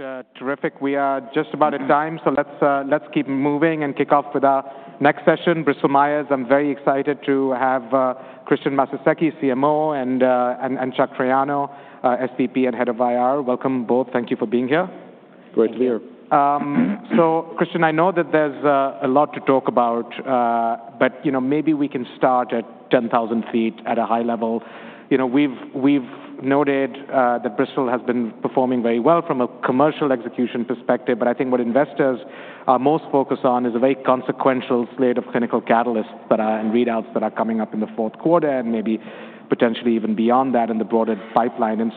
All right. Terrific. We are just about at time, let's keep moving and kick off with our next session. Bristol Myers. I'm very excited to have Cristian Massacesi, CMO, and Chuck Triano, SVP and Head of IR. Welcome, both. Thank you for being here. Great to be here. Thank you. Cristian, I know that there's a lot to talk about, maybe we can start at 10,000 feet at a high level. We've noted that Bristol has been performing very well from a commercial execution perspective, I think what investors are most focused on is a very consequential slate of clinical catalysts and readouts that are coming up in the fourth quarter, maybe potentially even beyond that in the broader pipeline.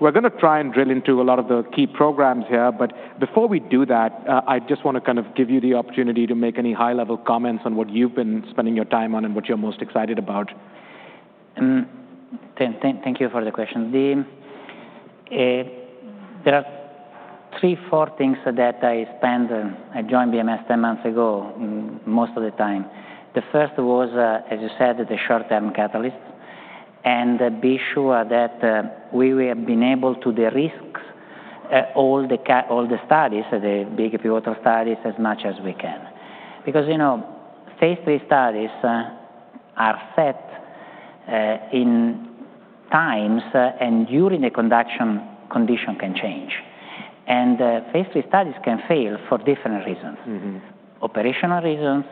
We're going to try and drill into a lot of the key programs here. Before we do that, I just want to give you the opportunity to make any high-level comments on what you've been spending your time on and what you're most excited about. Thank you for the question. There are three, four things that I spend, I joined BMS 10 months ago, most of the time. The first was, as you said, the short-term catalyst. Be sure that we have been able to de-risk all the studies, the big pivotal studies, as much as we can. Because phase III studies are set in times. During the conduction, conditions can change. Phase III studies can fail for different reasons. Operational reasons,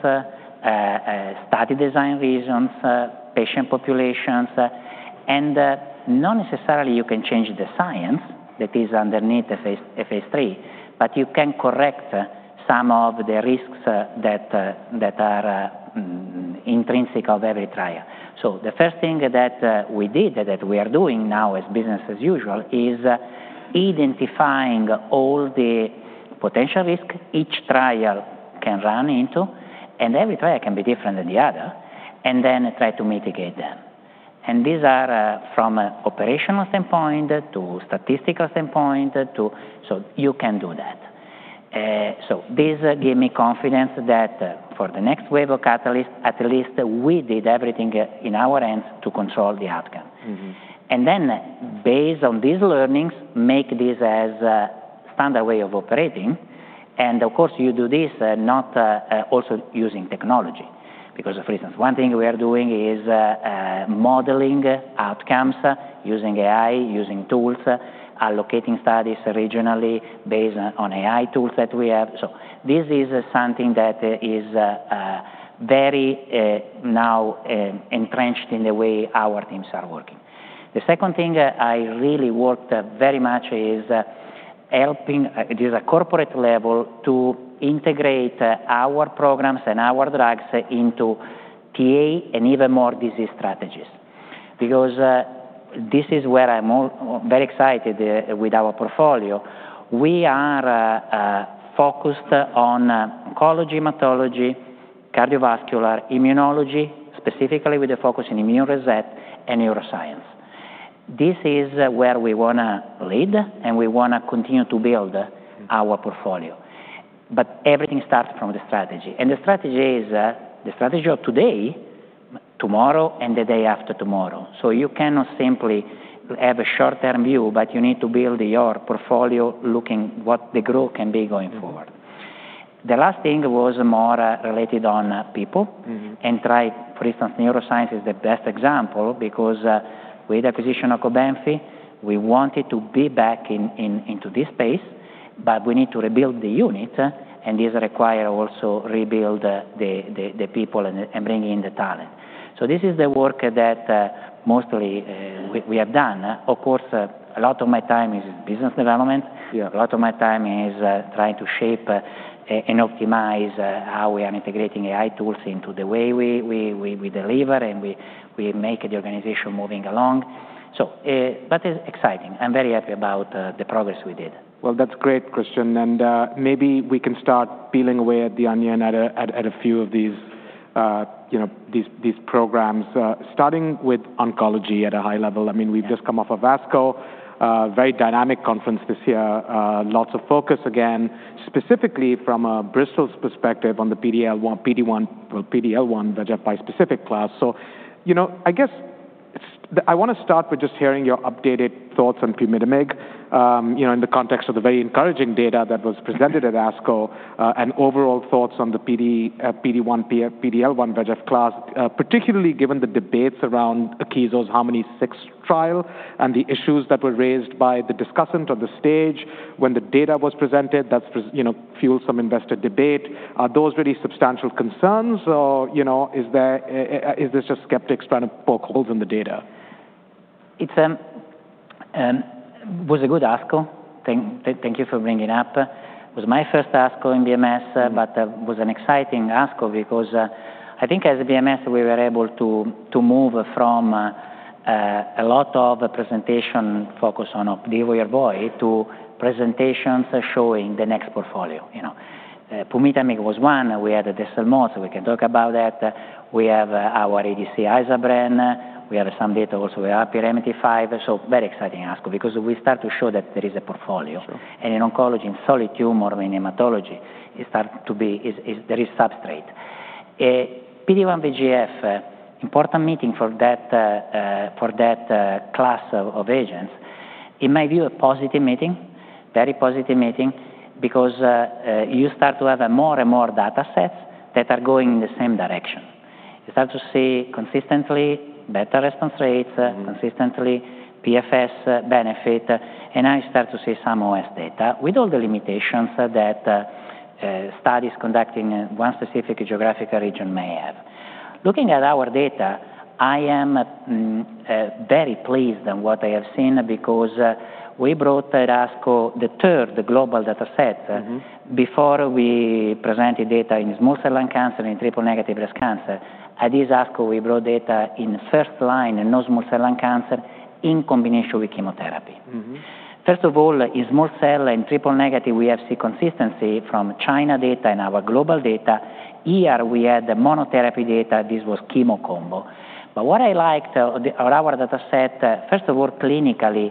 study design reasons, patient populations. Not necessarily you can change the science that is underneath a phase III, but you can correct some of the risks that are intrinsic of every trial. The first thing that we did, that we are doing now as business as usual, is identifying all the potential risk each trial can run into, and every trial can be different than the other, and then try to mitigate them. These are from an operational standpoint to statistical standpoint to. You can do that. This give me confidence that for the next wave of catalyst, at least we did everything in our end to control the outcome. Based on these learnings, make this as a standard way of operating. Of course, you do this not also using technology. For instance, one thing we are doing is modeling outcomes using AI, using tools, allocating studies regionally based on AI tools that we have. This is something that is very now entrenched in the way our teams are working. The second thing I really worked very much is helping at a corporate level to integrate our programs and our drugs into TA and even more disease strategies. This is where I'm very excited with our portfolio. We are focused on oncology, hematology, cardiovascular, immunology, specifically with a focus on immune reset and neuroscience. This is where we want to lead, and we want to continue to build our portfolio. Everything starts from the strategy. The strategy is the strategy of today, tomorrow, and the day after tomorrow. You cannot simply have a short-term view, but you need to build your portfolio looking what the growth can be going forward. The last thing was more related on people. Try, for instance, neuroscience is the best example because with acquisition of COBENFY, we wanted to be back into this space, we need to rebuild the unit, and this require also rebuild the people and bring in the talent. This is the work that mostly we have done. Of course, a lot of my time is business development. Yeah. A lot of my time is trying to shape and optimize how we are integrating AI tools into the way we deliver, and we make the organization moving along. That is exciting. I'm very happy about the progress we did. Well, that's great, Cristian, maybe we can start peeling away at the onion at a few of these programs, starting with oncology at a high level. Yeah. I want to start with just hearing your updated thoughts on pumitamig, in the context of the very encouraging data that was presented at ASCO, and overall thoughts on the PD-1, PD-L1xVEGF bispecific class, particularly given the debates around Akeso's HARMONi-6 trial and the issues that were raised by the discussant on the stage when the data was presented that's fueled some investor debate. Are those really substantial concerns or is this just skeptics trying to poke holes in the data? It was a good ASCO. Thank you for bringing it up. It was my first ASCO in BMS, but it was an exciting ASCO because I think as BMS, we were able to move from a lot of presentation focus on OPDIVO and YERVOY to presentations showing the next portfolio. Pumitamig was one. We can talk about that. We have our ADC iza-bren. We have some data also with apixaban. Very exciting ASCO, because we start to show that there is a portfolio. Sure. In oncology and solid tumor, in hematology, there is substrate. PD-1xVEGF, important meeting for that class of agents. In my view, a positive meeting, very positive meeting, because you start to have more and more data sets that are going in the same direction. You start to see consistently better response rates, consistently PFS benefit, and now you start to see some OS data with all the limitations that studies conducting in one specific geographical region may have. Looking at our data, I am very pleased in what I have seen because we brought at ASCO the third global data set. Before we presented data in small cell lung cancer and triple-negative breast cancer. At this ASCO, we brought data in first-line in non-small cell lung cancer in combination with chemotherapy. First of all, in small cell and triple negative, we have seen consistency from China data and our global data. Here we had the monotherapy data. This was chemo combo. What I liked of our data set, first of all, clinically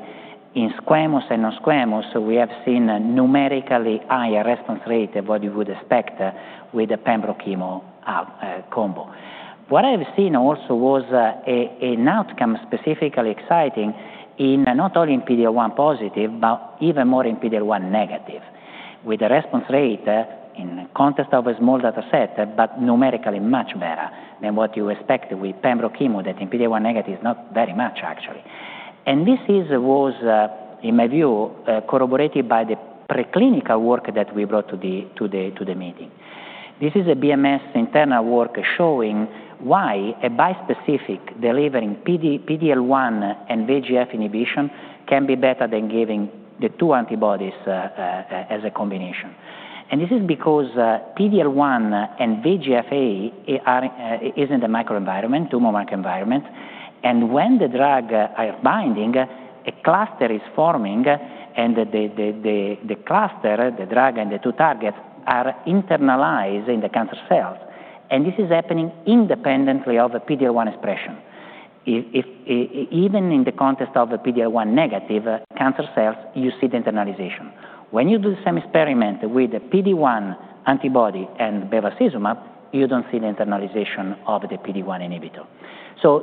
in squamous and non-squamous, we have seen numerically higher response rate than what you would expect with the pembro chemo combo. What I've seen also was an outcome specifically exciting in not only in PD-L1 positive, but even more in PD-L1 negative, with a response rate in context of a small data set, but numerically much better than what you expect with pembro chemo, that in PD-L1 negative is not very much actually. This was, in my view, corroborated by the preclinical work that we brought to the meeting. This is a BMS internal work showing why a bispecific delivering PD-L1 and VEGF inhibition can be better than giving the two antibodies as a combination. This is because PD-L1 and VEGF-A is in the microenvironment, tumor microenvironment, and when the drug are binding, a cluster is forming, and the cluster, the drug, and the two targets are internalized in the cancer cells. This is happening independently of the PD-L1 expression. Even in the context of the PD-L1 negative cancer cells, you see the internalization. When you do the same experiment with the PD-1 antibody and bevacizumab, you don't see the internalization of the PD-1 inhibitor.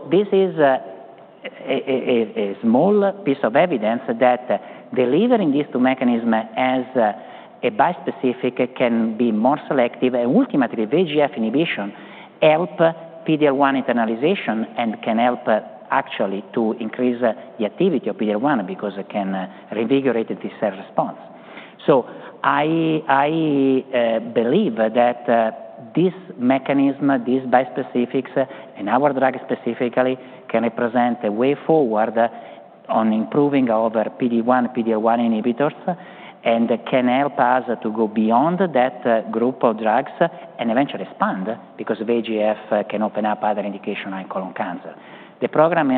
This is a small piece of evidence that delivering these two mechanism as a bispecific can be more selective and ultimately VEGF inhibition help PD-L1 internalization and can help actually to increase the activity of PD-L1 because it can reinvigorate the cell response. I believe that this mechanism, these bispecifics, and our drug specifically, can represent a way forward on improving our PD-1, PD-L1 inhibitors and can help us to go beyond that group of drugs and eventually expand because VEGF can open up other indication like colon cancer. The program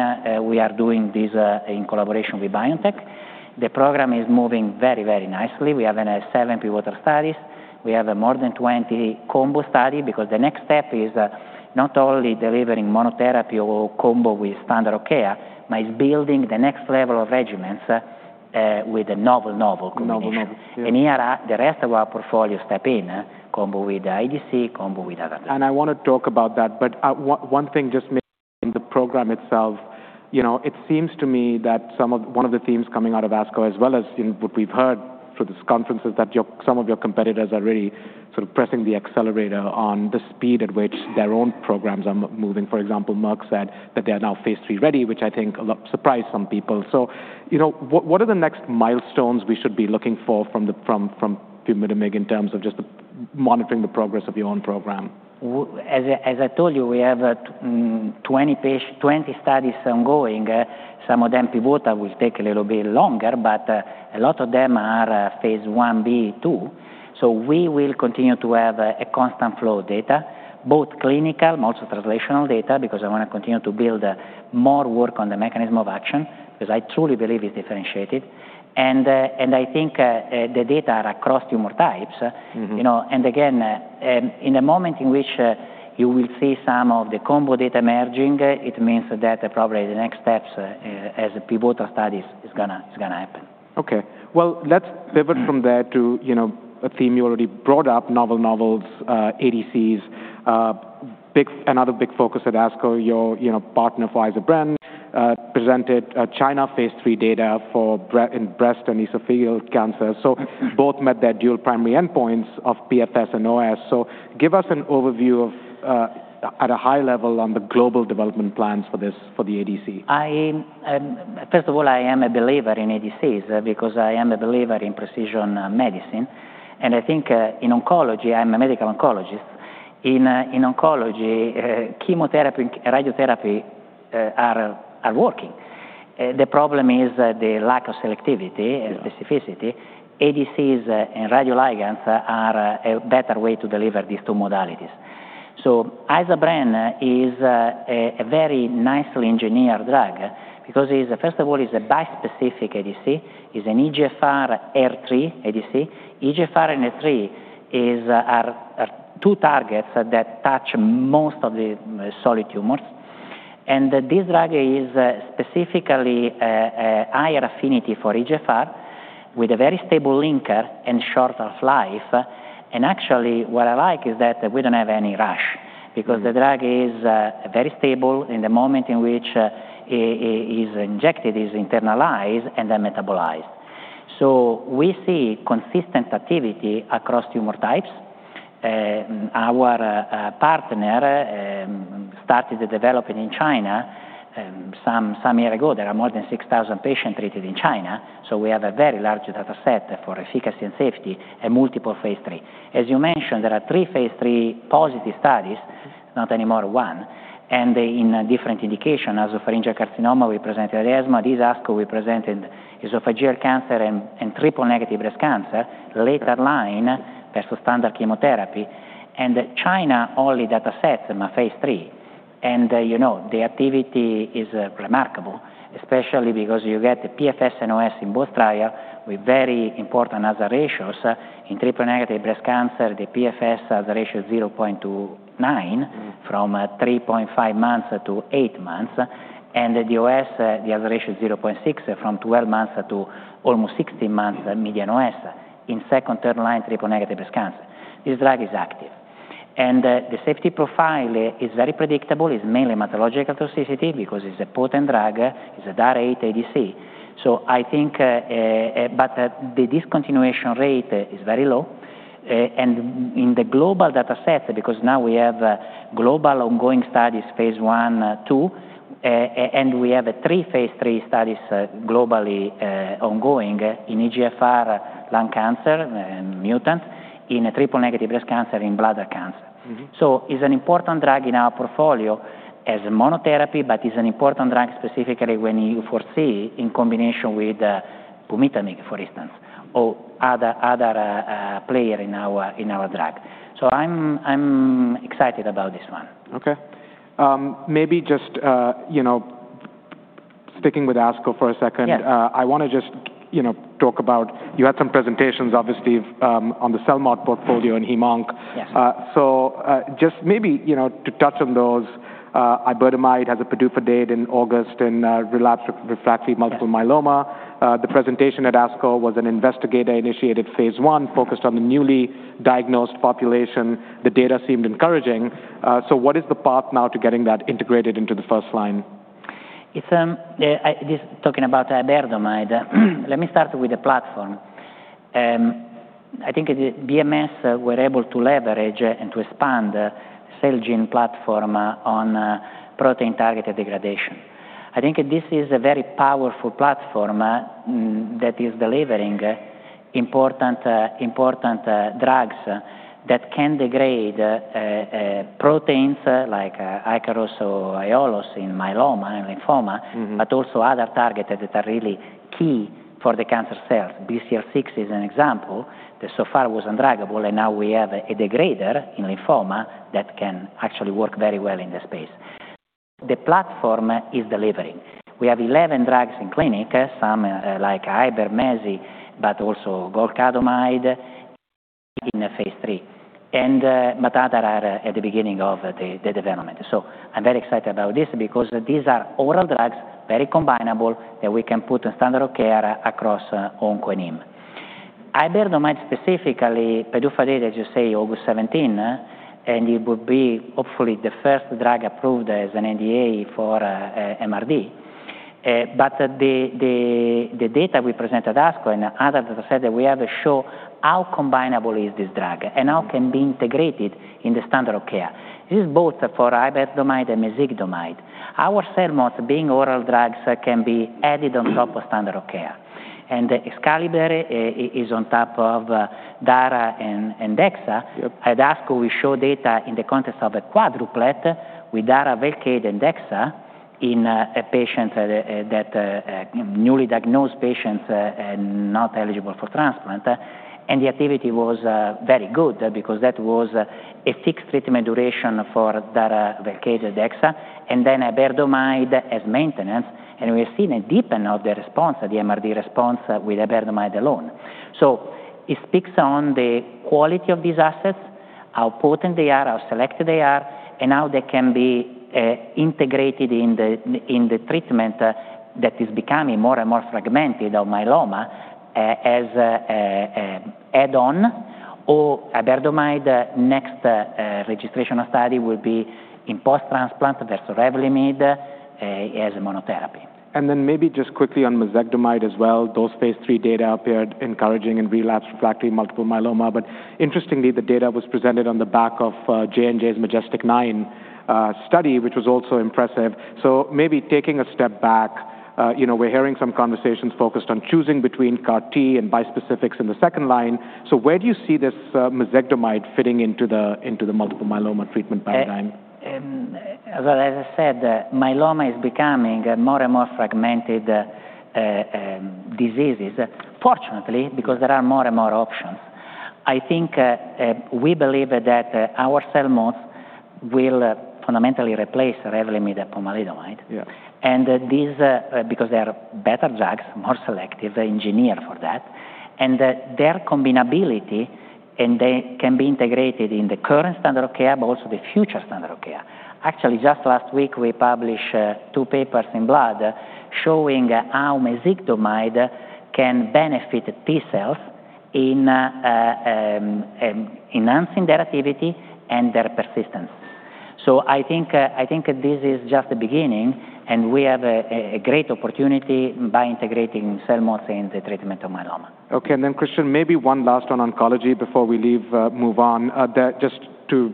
we are doing this in collaboration with BioNTech. The program is moving very nicely. We have seven pivotal studies. We have more than 20 combo study because the next step is not only delivering monotherapy or combo with standard of care, but it's building the next level of regimens with a novel-novel combination. Novel-novel, yeah. Here, the rest of our portfolio step in, combo with ADC, combo with other drugs. I want to talk about that, but one thing just maybe in the program itself, it seems to me that one of the themes coming out of ASCO as well as in what we've heard through this conference is that some of your competitors are really sort of pressing the accelerator on the speed at which their own programs are moving. For example, Merck said that they are now phase III-ready, which I think surprised some people. What are the next milestones we should be looking for from mezigdomide in terms of just monitoring the progress of your own program? As I told you, we have 20 studies ongoing. Some of them pivotal will take a little bit longer, but a lot of them are phase I-B/II. We will continue to have a constant flow of data, both clinical, most of translational data, because I want to continue to build more work on the mechanism of action, because I truly believe it's differentiated. I think the data are across tumor types. Again, in a moment in which you will see some of the combo data merging, it means that probably the next steps as a pivotal study is going to happen. Okay. Well, let's pivot from there to a theme you already brought up, novel-novels, ADCs. Another big focus at ASCO, your partner, Pfizer-BioNTech, presented China phase III data in breast and esophageal cancer. Both met their dual primary endpoints of PFS and OS. Give us an overview at a high level on the global development plans for the ADC. First of all, I am a believer in ADCs because I am a believer in precision medicine. I think in oncology, I'm a medical oncologist. In oncology, chemotherapy and radiotherapy are working. The problem is the lack of selectivity and specificity. Yeah. ADCs and radioligands are a better way to deliver these two modalities. iza-bren is a very nicely engineered drug because first of all, it's a bispecific ADC, is an EGFR HER3 ADC. EGFR and HER3 are two targets that touch most of the solid tumors. This drug is specifically a higher affinity for EGFR with a very stable linker and shorter life. Actually, what I like is that we don't have any rush because the drug is very stable in the moment in which it is injected, it is internalized then metabolized. We see consistent activity across tumor types. Our partner started developing in China some year ago. There are more than 6,000 patients treated in China, so we have a very large data set for efficacy and safety and multiple phase III. As you mentioned, there are three phase III positive studies, not anymore one, and in different indication. Nasopharyngeal carcinoma, we presented at ESMO. This ASCO, we presented esophageal cancer and triple-negative breast cancer later line versus standard chemotherapy. China, only data set in phase III. The activity is remarkable, especially because you get the PFS and OS in both trial with very important odds ratios. In triple-negative breast cancer, the PFS has a ratio 0.29 from 3.5 months to eight months, and the OS, the odds ratio 0.6 from 12 months to almost 16 months median OS in second, third-line triple-negative breast cancer. This drug is active. The safety profile is very predictable. It's mainly hematological toxicity because it's a potent drug. It's a DAR8 ADC. The discontinuation rate is very low. In the global data set, because now we have global ongoing studies, phase I, II, and we have three phase III studies globally ongoing in EGFR lung cancer and mutant, in triple-negative breast cancer, in bladder cancer. It's an important drug in our portfolio as a monotherapy, but it's an important drug specifically when you foresee in combination with pumitamig, for instance, or other player in our drug. I'm excited about this one. Okay. Maybe just sticking with ASCO for a second. Yes I want to just talk about, you had some presentations, obviously, on the CELMoD portfolio in HEMONC. Yes. just maybe to touch on those, iberdomide has a PDUFA date in August in relapsed/refractory multiple myeloma. The presentation at ASCO was an investigator-initiated phase I focused on the newly diagnosed population. The data seemed encouraging. What is the path now to getting that integrated into the first line? Talking about iberdomide, let me start with the platform. I think BMS were able to leverage and to expand Celgene platform on protein targeted degradation. I think this is a very powerful platform that is delivering important drugs that can degrade proteins like Ikaros or Aiolos in myeloma and lymphoma- also other targeted that are really key for the cancer cell. BCL6 is an example that so far was undruggable, and now we have a degrader in lymphoma that can actually work very well in this space. The platform is delivering. We have 11 drugs in clinic, some like iber, mezigdomide, but also golcadomide in phase III. Others are at the beginning of the development. I'm very excited about this because these are oral drugs, very combinable, that we can put in standard of care across onco heme. iberdomide specifically, PDUFA date, as you say, August 17, and it would be hopefully the first drug approved as an NDA for MRD. The data we present at ASCO and others have said that we have to show how combinable is this drug and how can be integrated in the standard of care. This is both for iberdomide and mezigdomide. Our CELMoDs being oral drugs can be added on top of standard of care. EXCALIBER is on top of daratumumab and dexamethasone. Yep. At ASCO, we show data in the context of a quadruplet with daratumumab, Velcade and dexamethasone in newly diagnosed patients not eligible for transplant. The activity was very good because that was a fixed treatment duration for daratumumab, Velcade, dexamethasone, and then iberdomide as maintenance. We've seen a deepen of the response, the MRD response, with iberdomide alone. It speaks on the quality of these assets, how potent they are, how selective they are, and how they can be integrated in the treatment that is becoming more and more fragmented of myeloma as a add-on or iberdomide next registrational study will be in post-transplant versus Revlimid as a monotherapy. Maybe just quickly on mezigdomide as well, those phase III data appeared encouraging in relapsed/refractory multiple myeloma. Interestingly, the data was presented on the back of J&J's MajesTEC-9 study, which was also impressive. Maybe taking a step back, we're hearing some conversations focused on choosing between CAR T and bispecifics in the second line. Where do you see this mezigdomide fitting into the multiple myeloma treatment paradigm? Well, as I said, myeloma is becoming a more and more fragmented diseases, fortunately, because there are more and more options. I think we believe that our CELMoDs will fundamentally replace REVLIMID and pomalidomide. Yeah. Because they are better drugs, more selective, they engineer for that. Their combinability, and they can be integrated in the current standard of care, but also the future standard of care. Actually, just last week, we published two papers in Blood showing how mezigdomide can benefit T cells in enhancing their activity and their persistence. I think this is just the beginning, and we have a great opportunity by integrating CELMoD in the treatment of myeloma. Okay, Cristian, maybe one last on oncology before we move on. Just to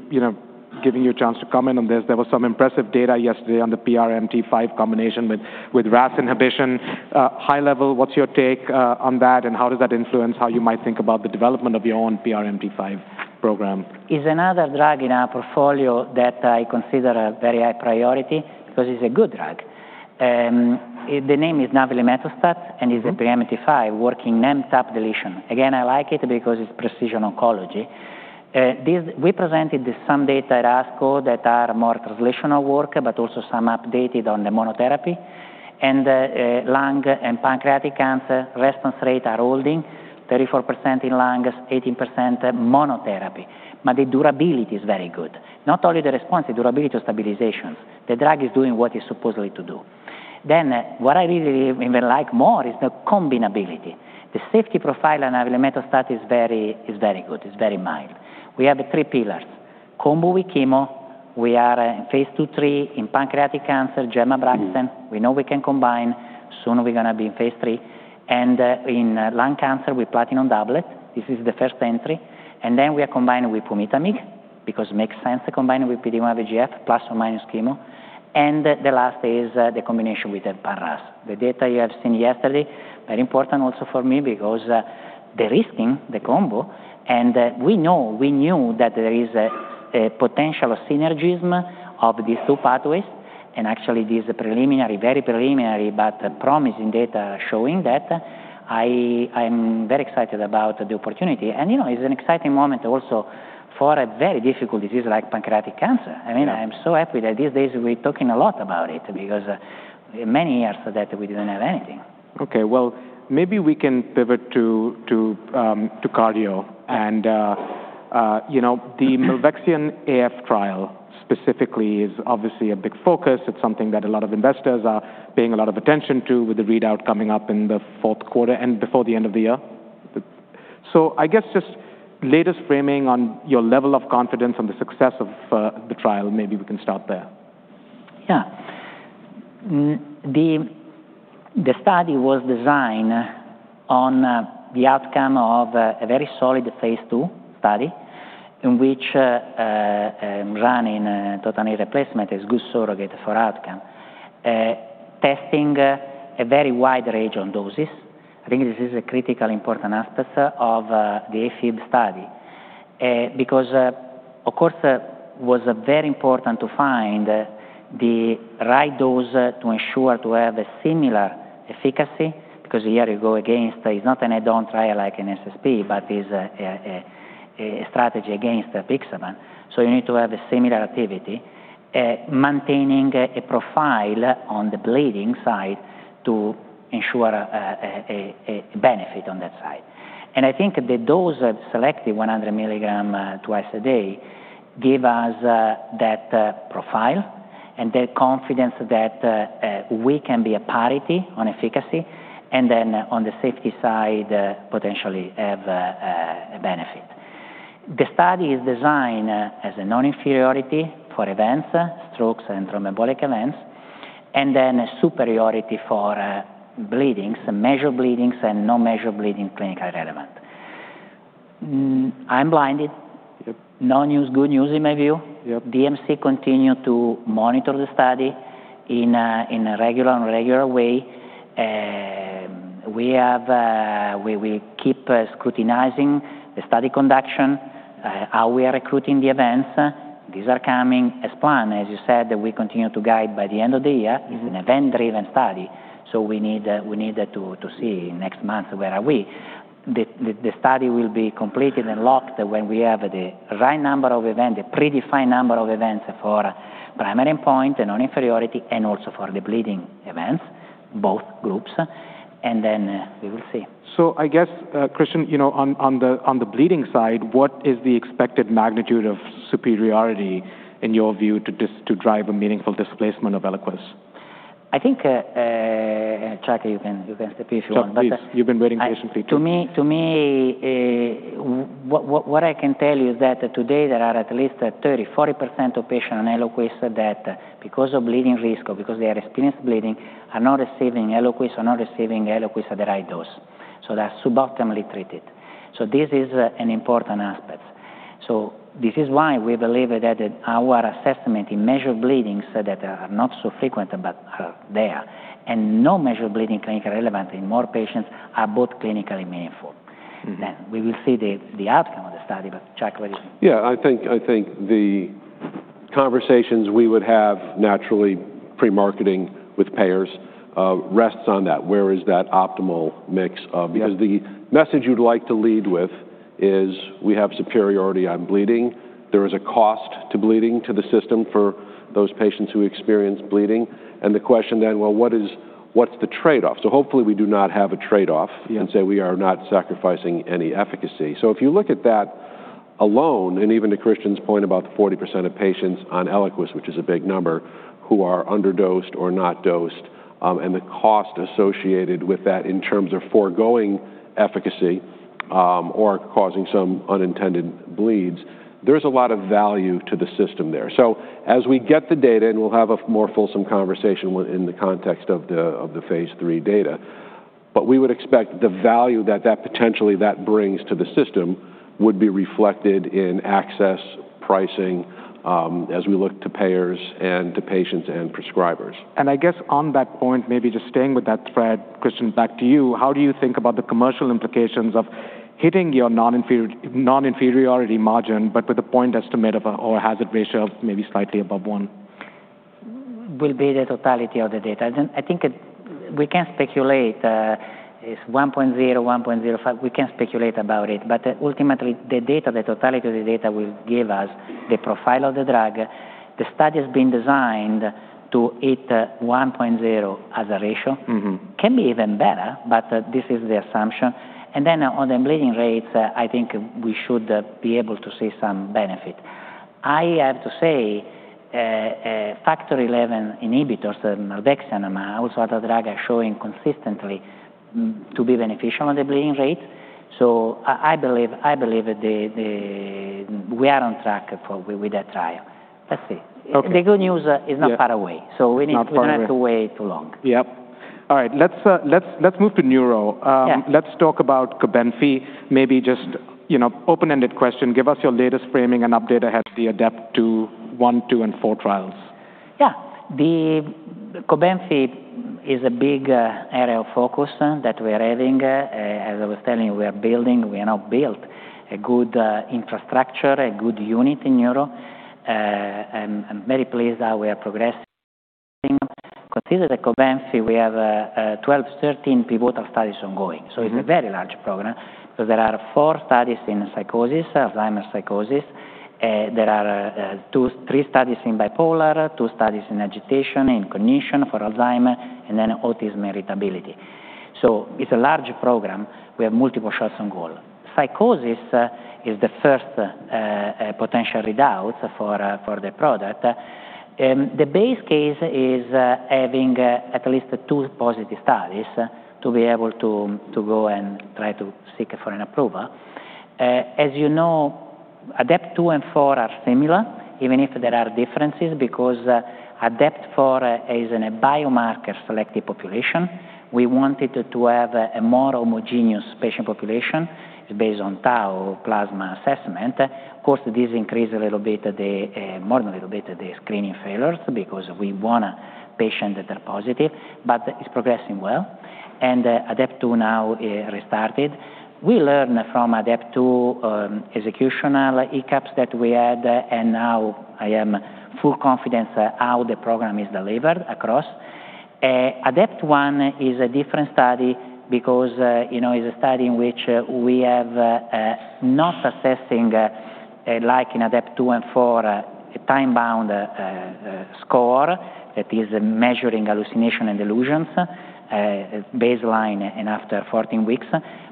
give you a chance to comment on this, there was some impressive data yesterday on the PRMT5 combination with KRAS inhibition. High level, what's your take on that, and how does that influence how you might think about the development of your own PRMT5 program? It's another drug in our portfolio that I consider a very high priority because it's a good drug. The name is navlimetostat, it's a PRMT5 targeting MTAP deletion. Again, I like it because it's precision oncology. We presented some data at ASCO that are more translational work, but also some updated on the monotherapy. Lung and pancreatic cancer response rate are holding 34% in lungs, 18% monotherapy. The durability is very good. Not only the response, the durability to stabilization. The drug is doing what it's supposedly to do. What I really even like more is the combinability. The safety profile of navlimetostat is very good, it's very mild. We have the three pillars. Combo with chemo. We are in phase II, III in pancreatic cancer, gemcitabine and ABRAXANE. We know we can combine. Soon we're going to be in phase III. In lung cancer with platinum doublet, this is the first entry. We are combining with pumitamig, because it makes sense to combine with PD-1xVEGF plus or minus chemo. The last is the combination with the KRAS. The data you have seen yesterday, very important also for me because they're risking the combo. We knew that there is a potential synergism of these two pathways, and actually this is very preliminary, but promising data showing that. I'm very excited about the opportunity. It's an exciting moment also for a very difficult disease like pancreatic cancer. Yeah. I'm so happy that these days we're talking a lot about it, because many years that we didn't have anything. The milvexian AF trial specifically is obviously a big focus. It's something that a lot of investors are paying a lot of attention to with the readout coming up in the fourth quarter and before the end of the year. I guess just latest framing on your level of confidence on the success of the trial, maybe we can start there. Yeah. The study was designed on the outcome of a very solid phase II study, in which running total knee replacement is good surrogate for outcome. Testing a very wide range of doses. I think this is a critical important aspect of the AFib study. Of course, it was very important to find the right dose to ensure to have a similar efficacy, because here you go against, it's not an add-on trial like an SSP, but is a strategy against apixaban, so you need to have a similar activity. Maintaining a profile on the bleeding side to ensure a benefit on that side. I think the dose selected, 100 mg twice a day, give us that profile and the confidence that we can be a parity on efficacy, and then on the safety side, potentially have a benefit. The study is designed as a non-inferiority for events, strokes, and thromboembolic events, a superiority for bleedings, measured bleedings and not measured bleeding clinically relevant. I'm blinded. No news, good news in my view. DMC continue to monitor the study in a regular way. We keep scrutinizing the study conduction, how we are recruiting the events. These are coming as planned. As you said, we continue to guide by the end of the year. It's an event-driven study, we need to see next month where are we. The study will be completed and locked when we have the right number of event, the predefined number of events for primary endpoint and non-inferiority, and also for the bleeding events, both groups. We will see. I guess, Cristian, on the bleeding side, what is the expected magnitude of superiority in your view to drive a meaningful displacement of ELIQUIS? I think, Chuck, you can step in if you want. Chuck, please. You've been waiting patiently. To me, what I can tell you is that today there are at least 30%-40% of patients on ELIQUIS that because of bleeding risk or because they are experienced bleeding, are not receiving ELIQUIS or not receiving ELIQUIS at the right dose. They're suboptimally treated. This is an important aspect. This is why we believe that our assessment in measured bleedings that are not so frequent but are there, and no measured bleeding clinically relevant in more patients are both clinically meaningful. We will see the outcome of the study. Chuck, what do you think? Yeah, I think the conversations we would have naturally pre-marketing with payers rests on that. Where is that optimal mix of- Yeah The message you'd like to lead with is we have superiority on bleeding. There is a cost to bleeding to the system for those patients who experience bleeding. The question then, well, what's the trade-off? Hopefully we do not have a trade-off- Yeah And say we are not sacrificing any efficacy. If you look at that alone, and even to Cristian's point about the 40% of patients on ELIQUIS, which is a big number, who are under-dosed or not dosed, and the cost associated with that in terms of foregoing efficacy or causing some unintended bleeds. There's a lot of value to the system there. As we get the data, and we'll have a more fulsome conversation within the context of the phase III data, but we would expect the value that potentially that brings to the system would be reflected in access pricing as we look to payers and to patients and prescribers. I guess on that point, maybe just staying with that thread, Cristian, back to you, how do you think about the commercial implications of hitting your non-inferiority margin, but with a point estimate of, or a hazard ratio of maybe slightly above one? Will be the totality of the data. I think we can speculate, if 1.0, 1.05, we can speculate about it. Ultimately, the totality of the data will give us the profile of the drug. The study has been designed to hit 1.0 as a ratio. Can be even better. This is the assumption. On the bleeding rates, I think we should be able to see some benefit. I have to say, factor XI inhibitors, and milvexian, also other drug are showing consistently to be beneficial on the bleeding rate. I believe we are on track with that trial. Let's see. Okay. The good news, it's not far away. Yeah. Not far away. We don't have to wait too long. Yep. All right, let's move to neuro. Yeah. Let's talk about COBENFY, maybe just open-ended question, give us your latest framing and update ahead of the ADEPT-2, ADEPT-1, ADEPT-2, and ADEPT-4 trials. Yeah. COBENFY is a big area of focus that we are having. As I was telling you, we are building. We are now built a good infrastructure, a good unit in neuro. I'm very pleased how we are progressing. Consider the COBENFY, we have 12, 13 pivotal studies ongoing. It's a very large program. There are four studies in psychosis, Alzheimer's psychosis. There are two, three studies in bipolar, two studies in agitation, in cognition for Alzheimer, and then autism irritability. It's a large program. We have multiple shots on goal. Psychosis is the first potential readout for the product. The base case is having at least two positive studies to be able to go and try to seek for an approval. As you know, ADEPT-2 and 4 are similar, even if there are differences, because ADEPT-4 is in a biomarker selective population. We wanted to have a more homogeneous patient population based on tau plasma assessment. Of course, this increased more than a little bit the screening failures because we want patients that are positive, but it's progressing well, and ADEPT-2 now restarted. We learn from ADEPT-2 executional ECAPs that we had, and now I am full confidence how the program is delivered across. ADEPT-1 is a different study because it's a study in which we have not assessing, like in ADEPT-2 and 4, a time-bound score that is measuring hallucination and delusions baseline and after 14 weeks.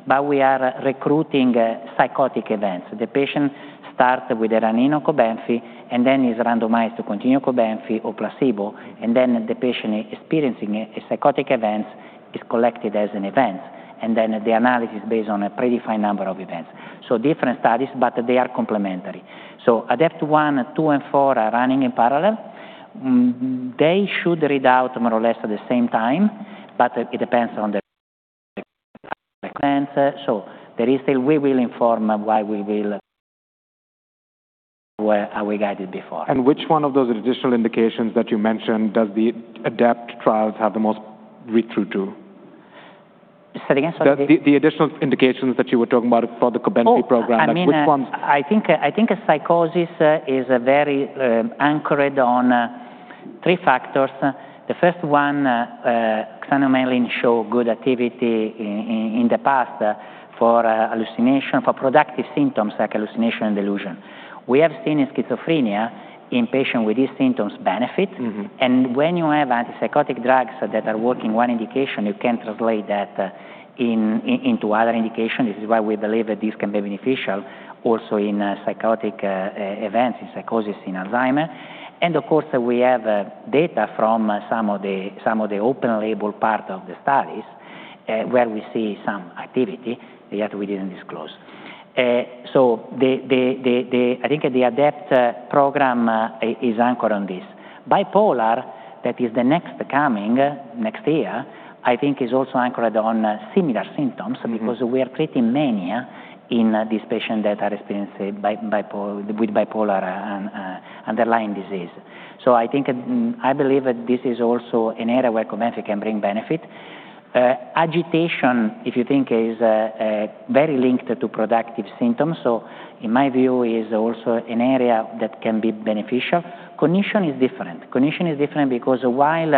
We are recruiting psychotic events. The patient start with a run-in of COBENFY, and then is randomized to continue COBENFY or placebo, and then the patient experiencing a psychotic event is collected as an event, and then the analysis based on a predefined number of events. Different studies, but they are complementary. ADEPT-1, 2, and 4 are running in parallel. They should read out more or less at the same time, but it depends on the events. We will inform why we will how we guided before. Which one of those additional indications that you mentioned does the ADEPT trials have the most read through to? Say it again, sorry. The additional indications that you were talking about for the COBENFY program. Oh Which ones? I think psychosis is very anchored on three factors. The first one, xanomeline show good activity in the past for hallucination, for productive symptoms like hallucination and delusion. We have seen in schizophrenia, in patient with these symptoms benefit. When you have antipsychotic drugs that are working one indication, you can translate that into other indication. This is why we believe that this can be beneficial also in psychotic events, in psychosis, in Alzheimer's. Of course, we have data from some of the open label part of the studies, where we see some activity that we didn't disclose. I think the ADEPT program is anchored on this. Bipolar, that is the next coming, next year, I think is also anchored on similar symptoms. because we are treating mania in these patients that are experiencing with bipolar underlying disease. I believe that this is also an area where COBENFY can bring benefit. Agitation, if you think, is very linked to productive symptoms, so in my view, is also an area that can be beneficial. Cognition is different. Cognition is different because while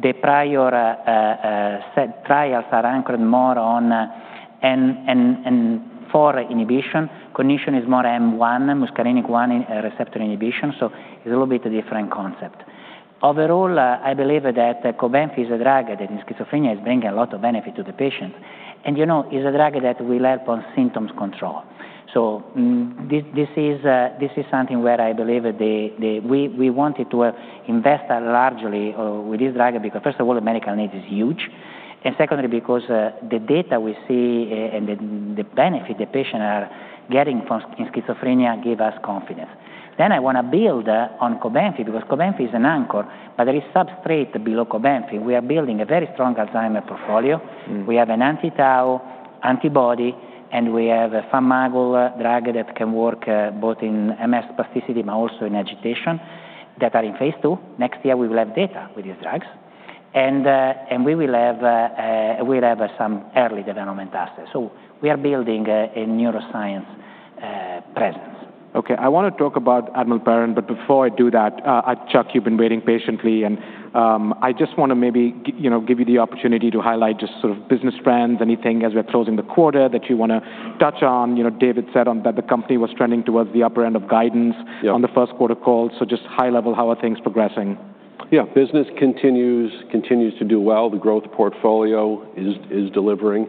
the prior set trials are anchored more on four inhibitions, cognition is more M1, muscarinic 1 receptor inhibition, so it is a little bit different concept. I believe that COBENFY is a drug that in schizophrenia is bringing a lot of benefit to the patient, and is a drug that will help on symptoms control. This is something where I believe we wanted to invest largely with this drug because first of all, the medical need is huge, and secondly, because the data we see and the benefit the patient are getting in schizophrenia give us confidence. I want to build on COBENFY because COBENFY is an anchor, but there is substrate below COBENFY. We are building a very strong Alzheimer's portfolio. We have an anti-tau antibody, and we have a KarXT drug that can work both in MS spasticity but also in agitation that are in phase II. Next year, we will have data with these drugs, and we will have some early development assets. We are building a neuroscience presence. I want to talk about Adempas, before I do that, Chuck, you have been waiting patiently, and I just want to maybe give you the opportunity to highlight just sort of business trends, anything as we are closing the quarter that you want to touch on. David said that the company was trending towards the upper end of guidance- Yeah on the first quarter call. Just high level, how are things progressing? Yeah. Business continues to do well. The growth portfolio is delivering,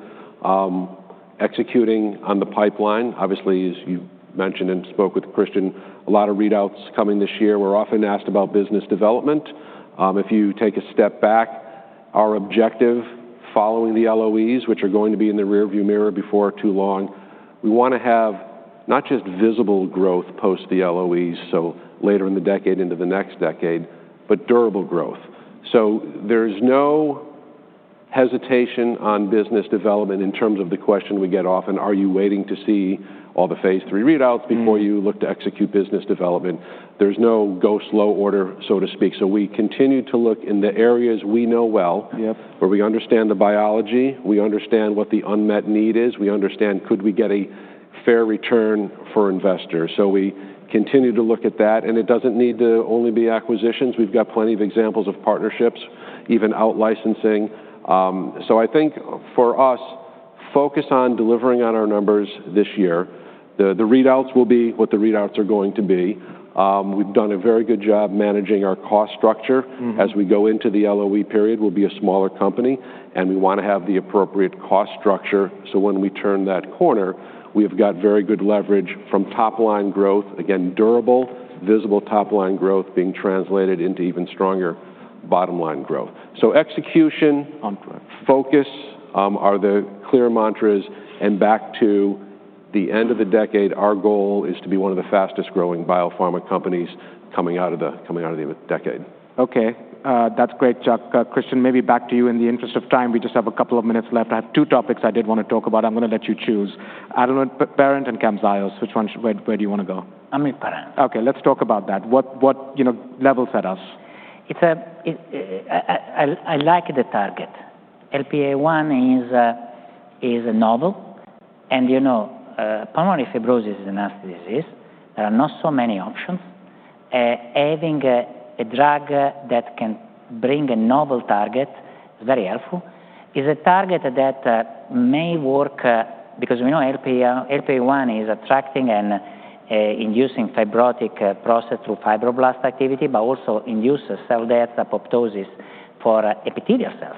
executing on the pipeline. Obviously, as you mentioned and spoke with Cristian, a lot of readouts coming this year. We're often asked about business development. If you take a step back, our objective following the LOEs, which are going to be in the rear view mirror before too long, we want to have not just visible growth post the LOEs, so later in the decade into the next decade, but durable growth. There's no hesitation on business development in terms of the question we get often, are you waiting to see all the phase III readouts before you look to execute business development? There's no go slow order, so to speak. We continue to look in the areas we know well- Yep where we understand the biology, we understand what the unmet need is. We understand, could we get a fair return for investors? We continue to look at that, and it doesn't need to only be acquisitions. We've got plenty of examples of partnerships, even out-licensing. I think for us, focus on delivering on our numbers this year. The readouts will be what the readouts are going to be. We've done a very good job managing our cost structure. As we go into the LOE period, we'll be a smaller company, and we want to have the appropriate cost structure, so when we turn that corner, we've got very good leverage from top-line growth. Again, durable, visible top-line growth being translated into even stronger bottom-line growth. Execution- On track Focus are the clear mantras. Back to the end of the decade, our goal is to be one of the fastest-growing biopharma companies coming out of the decade. Okay. That's great, Chuck. Cristian, maybe back to you. In the interest of time, we just have a couple of minutes left. I have two topics I did want to talk about. I'm going to let you choose. Adempas and CAMZYOS. Where do you want to go? Adempas. Okay, let's talk about that. What levels at us? I like the target. LPA1 is novel. Pulmonary fibrosis is a nasty disease. There are not so many options. Having a drug that can bring a novel target is very helpful. It's a target that may work because we know LPA1 is attracting and inducing fibrotic process through fibroblast activity, but also induces cell death, apoptosis for epithelial cells.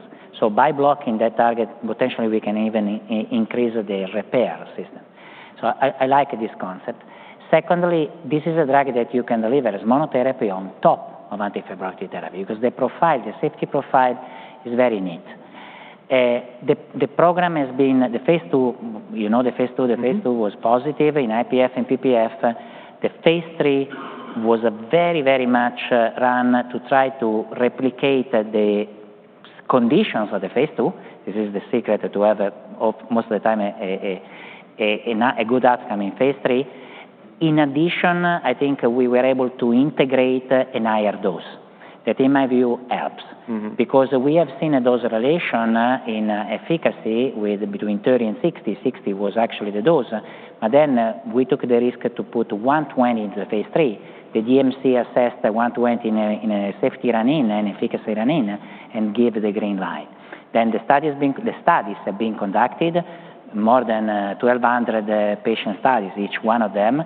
By blocking that target, potentially we can even increase the repair system. I like this concept. Secondly, this is a drug that you can deliver as monotherapy on top of anti-fibrotic therapy because the safety profile is very neat. The phase II was positive in IPF and PPF. The phase III was very much run to try to replicate the conditions of the phase II. This is the secret to have, most of the time, a good outcome in phase III. In addition, I think we were able to integrate a higher dose that, in my view, helps. We have seen a dose relation in efficacy between 30 and 60. 60 was actually the dose. We took the risk to put 120 into phase III. The DMC assessed 120 in a safety run-in and efficacy run-in and gave the green light. The studies have been conducted, more than 1,200 patient studies, each one of them.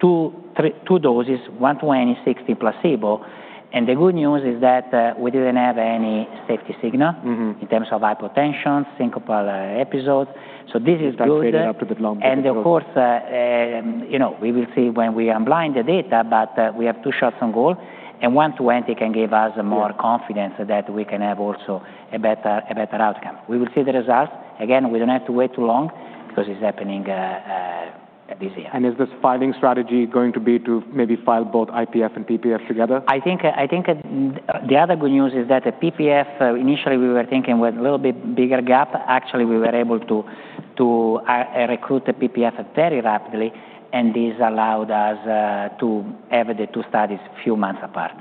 Two doses, 120, 60, placebo, and the good news is that we didn't have any safety signal in terms of hypotension, syncopal episode. This is good. It takes fairly a pretty long- Of course, we will see when we unblind the data, we have two shots on goal, and 120 can give us more confidence that we can have also a better outcome. We will see the results. We don't have to wait too long because it's happening this year. Is this filing strategy going to be to maybe file both IPF and PPF together? I think the other good news is that PPF, initially we were thinking with a little bit bigger gap. Actually, we were able to recruit the PPF very rapidly, this allowed us to have the two studies a few months apart.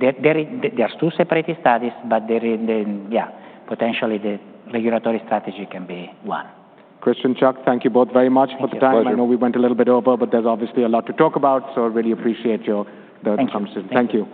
There's two separate studies, potentially the regulatory strategy can be one. Cristian, Chuck, thank you both very much for the time. Thank you. Pleasure. I know we went a little bit over. There's obviously a lot to talk about. I really appreciate your time. Thank you. Thank you.